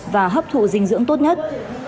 và hấp thụ dinh dưỡng tốt nhất